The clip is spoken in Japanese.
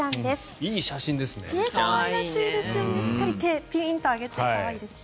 いい写真ですね。